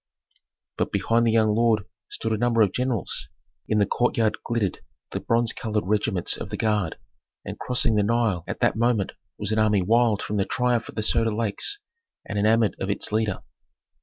But behind the young lord stood a number of generals; in the courtyard glittered the bronze covered regiments of the guard; and crossing the Nile at that moment was an army wild from the triumph at the Soda Lakes, and enamored of its leader.